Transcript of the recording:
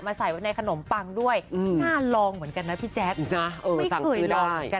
มาใส่ไว้ในขนมปังด้วยน่าลองเหมือนกันนะพี่แจ๊ก